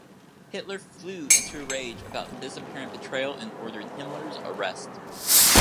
Hitler flew into a rage about this apparent betrayal and ordered Himmler's arrest.